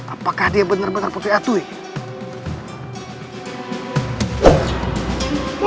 apakah dia benar benar putri atuya